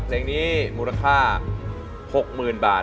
เพลงนี้มูลค่า๖๐๐๐บาท